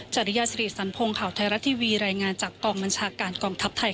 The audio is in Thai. จริยาสิริสันพงศ์ข่าวไทยรัฐทีวีรายงานจากกองบัญชาการกองทัพไทยค่ะ